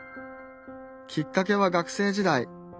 きっかけは学生時代。